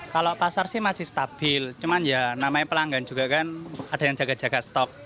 kalau pasar sih masih stabil cuman ya namanya pelanggan juga kan ada yang jaga jaga stok